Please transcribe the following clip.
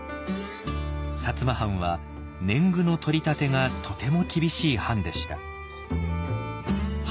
摩藩は年貢の取り立てがとても厳しい藩でした。